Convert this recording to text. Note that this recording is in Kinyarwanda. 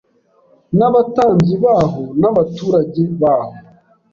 n’abatambyi baho n’abaturage baho